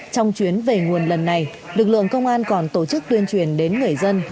trong chuyến về nguồn lần này lực lượng công an còn tổ chức tuyên truyền đến người dân